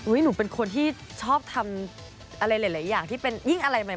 หนูเป็นคนที่ชอบทำอะไรหลายอย่างที่เป็นยิ่งอะไรใหม่